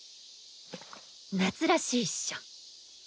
夏らしいっしょ？